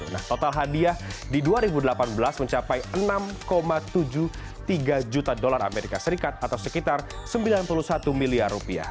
nah total hadiah di dua ribu delapan belas mencapai enam tujuh puluh tiga juta dolar as atau sekitar rp sembilan puluh satu miliar rupiah